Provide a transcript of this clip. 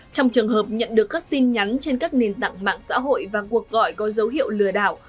trong trường hợp nhận được các tin nhắn trên các nền tảng mạng xã hội và cuộc gọi có dấu hiệu lừa đảo